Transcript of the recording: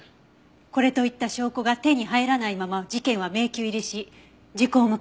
これといった証拠が手に入らないまま事件は迷宮入りし時効を迎えたそうよ。